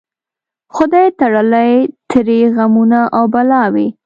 خدای تړلي ترې غمونه او بلاوي